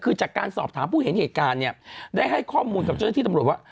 คือจากการสอบถามผู้เห็นเหตุการณ์เนี่ยได้ให้ข้อมูลกับเจ้าหน้าที่ตำรวจว่า